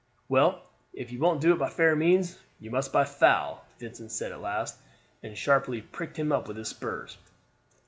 "Well, if you won't do it by fair means you must by foul," Vincent said at last, and sharply pricked him with his spurs.